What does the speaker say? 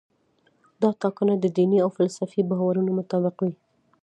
دا ټاکنه د دیني او فلسفي باورونو مطابق وي.